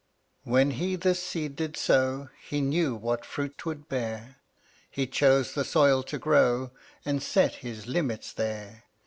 112 When He this seed did sow He knew what fruit 'twould bear; He chose the soil to grow And set His limits there.